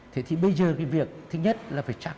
thế thì bây giờ cái việc thứ nhất là phải chắc